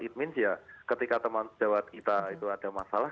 it means ya ketika teman sejawat kita itu ada masalah